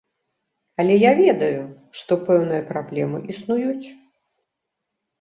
Але я ведаю, што пэўныя праблемы існуюць.